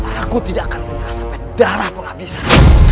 aku tidak akan menyelesaikan darah penghabisan